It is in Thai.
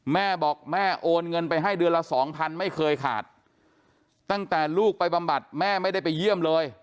แม่บอกแม่โอนเงินไปให้เดือนละสองพันไม่เคยขาดตั้งแต่ลูกไปบำบัดแม่ไม่ได้ไปเยี่ยมเลย